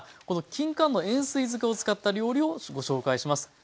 このきんかんの塩水漬けを使った料理をご紹介します。